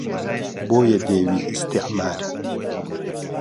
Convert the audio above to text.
بۆیە دێوی ئیستیعمار